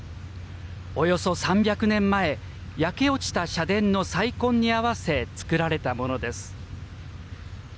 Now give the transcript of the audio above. およそ３００年前焼け落ちた社殿の再建に合わせ作られたものです。